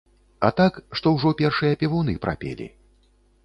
А так, што ўжо першыя певуны прапелі.